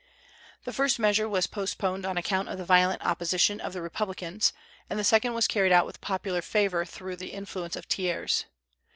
The first measure was postponed on account of the violent opposition of the Republicans, and the second was carried out with popular favor through the influence of Thiers.